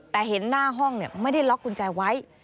แต่เห็นหน้าห้องไม่ได้ล็อกกุญแจไว้